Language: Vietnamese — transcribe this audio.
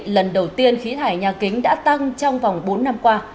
lần đầu tiên khí thải nhà kính đã tăng trong vòng bốn năm qua